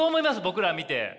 僕ら見て。